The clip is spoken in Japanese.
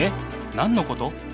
何のこと？